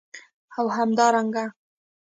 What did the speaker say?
او همدارنګه